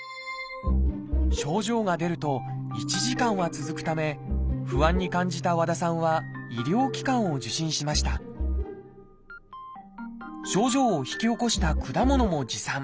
症状が出ると１時間は続くため不安に感じた和田さんは医療機関を受診しました症状を引き起こした果物も持参。